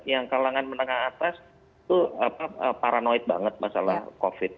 yang kalangan menengah atas itu paranoid banget masalah covid